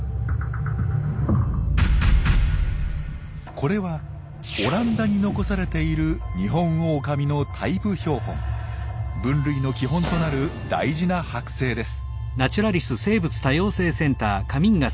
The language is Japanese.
これはオランダに残されている分類の基本となる大事なはく製です。